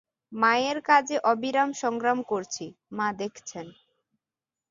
মায়ের কাজে অবিরাম সংগ্রাম করছি, মা দেখছেন।